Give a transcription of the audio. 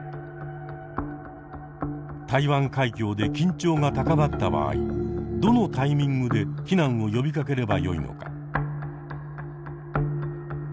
台湾海峡で緊張が高まった場合どのタイミングで避難を呼びかければよいのか。